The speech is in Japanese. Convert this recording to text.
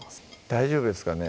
大丈夫ですかね？